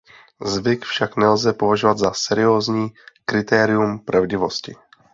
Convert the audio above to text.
Zvyk však nelze považovat za seriózní kritérium pravdivosti.